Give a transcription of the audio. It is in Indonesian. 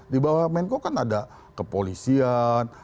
di bawah menko kan ada kepolisian